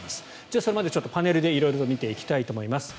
それまでパネルで色々見ていきたいと思います。